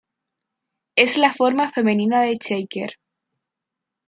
Es la forma femenina de "Shaker".